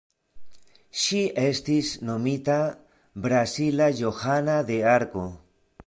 Ŝi estis nomita "Brazila Johana de Arko".